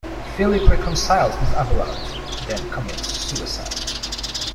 Philip reconciles with Abelard, then commits suicide.